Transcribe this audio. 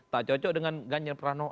tak cocok dengan ganjil prano